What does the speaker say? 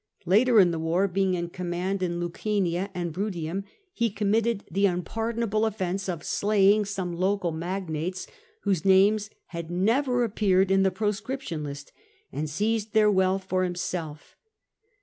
Later in the war, being in command in Lucania and Bruttium, he committed the unpardonable offence of slaying some local magnates, whose names had never appeared in the pro scription list, and seized their wealth for himself.